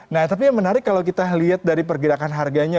nah tapi yang menarik kalau kita lihat dari pergerakan harganya